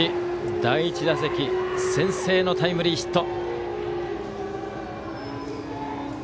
第１打席、先制のタイムリーヒット。